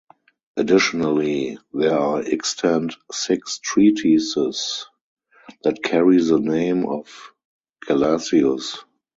Additionally, there are extant six treatises that carry the name of Gelasius.